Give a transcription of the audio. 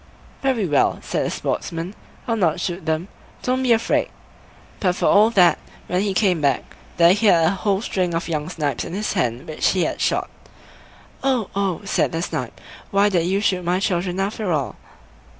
"Very well", said the Sportsman, "I'll not shoot them; don't be afraid." But for all that, when he came back, there he had a whole string of young snipes in his hand which he had shot. "Oh, oh!" said the Snipe, "why did you shoot my children after all?"